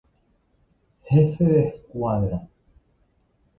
Jefe de escuadra.